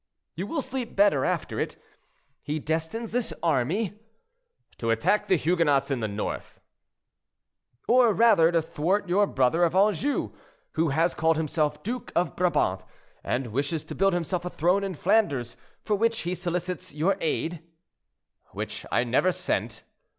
"You will sleep better after it. He destines this army—" "To attack the Huguenots in the north—" "Or rather, to thwart your brother of Anjou, who has called himself Duke of Brabant, and wishes to build himself a throne in Flanders, for which he solicits your aid—" "Which I never sent."